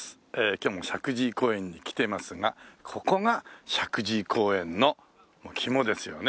今日も石神井公園に来てますがここが石神井公園の肝ですよね。